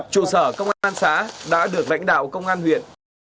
trụ sở công an xã đã được lãnh đạo công an huyện